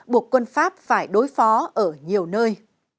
buộc quân pháp phải đối phó ở nhiều nơi